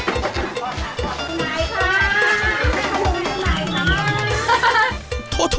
คุณใหม่ค่ากัท